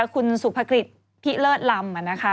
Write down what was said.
คุณสุพกฤษฑ์พี่เลิศรำ